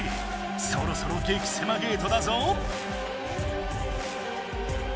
そろそろ激せまゲートだぞ！